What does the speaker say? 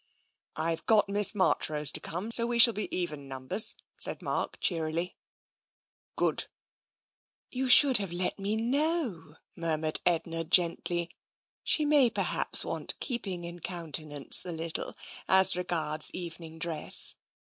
" I've got Miss Marchrose to come, so we shall be even numbers," said Mark cheerfully. 75 76 TENSION " Good." " You should have let me know," murmured Edna gently. " She may perhaps want keeping in counte nance a little, as regards evening dress.